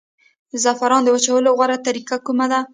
د زعفرانو د وچولو غوره طریقه کومه ده؟